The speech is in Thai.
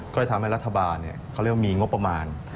ก็เลยทำให้รัฐบาลเขาเรียกว่ามีงบประมาณ